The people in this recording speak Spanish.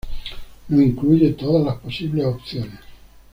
No incluye todas las posibles opciones.